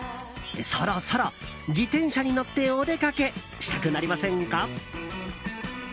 そろそろ自転車に乗ってお出かけしたくなりませんか？